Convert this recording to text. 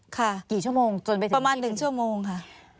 ค่ะประมาณ๑ชั่วโมงค่ะ